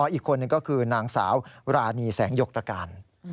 อีกคนนึงก็คือนางสาวรานีแสงหยกตรการ